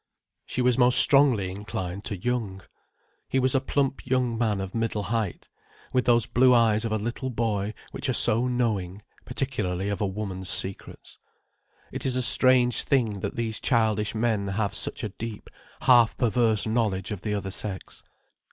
She was most strongly inclined to Young. He was a plump young man of middle height, with those blue eyes of a little boy which are so knowing: particularly of a woman's secrets. It is a strange thing that these childish men have such a deep, half perverse knowledge of the other sex.